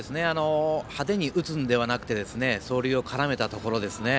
派手に打つんではなく走塁を絡めたところですね